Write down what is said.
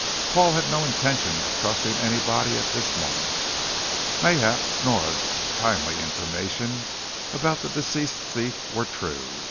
Paul had no intention of trusting anybody at this moment. Mayhap Nora's timely information about the deceased thief were true.